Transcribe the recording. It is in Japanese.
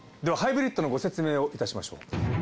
ではハイブリッドのご説明をいたしましょう。